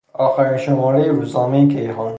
آخرین شمارهی روزنامهی کیهان